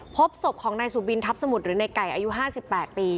พบศพของนายสุบินทัพสมุทรหรือนายไก่อายุห้าสิบแปดปี